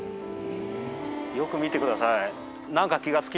よく見てください。